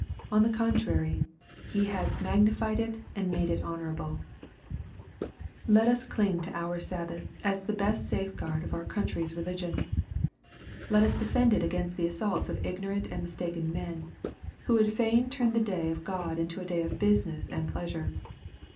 On the contrary, He has magnified it, and made it honorable." Let us cling to our Sabbath, as the best safeguard of our Oountty's religion. Let us defend it against the assaults of ignorant and mistaken men, who would fain turn the day of God into a day of business and pleasure.